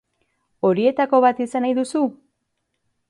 Horietako bat izan nahi duzu?